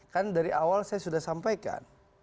kan dari awal saya sudah sampaikan